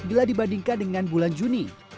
bila dibandingkan dengan bulan juni